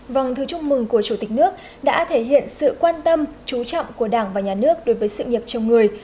vâng thư chúc mừng của chủ tịch nước đã thể hiện sự quan tâm chú trọng của đảng và nhà nước đối với sự nghiệp chồng người